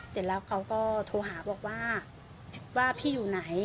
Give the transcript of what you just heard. เสร็จแล้วเขาก็โทรหาบอกว่าว่าพี่อยู่ไหน